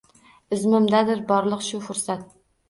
Izmingdadir borliq shu fursat.